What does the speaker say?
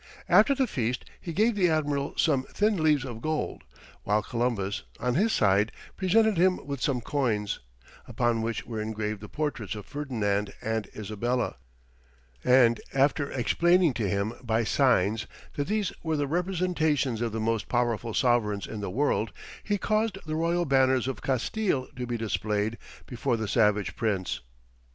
After the feast, he gave the admiral some thin leaves of gold, while Columbus, on his side, presented him with some coins, upon which were engraved the portraits of Ferdinand and Isabella, and after explaining to him by signs that these were the representations of the most powerful sovereigns in the world, he caused the royal banners of Castille to be displayed before the savage prince.